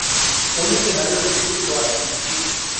Un escenario de "Civil War" "¿y si?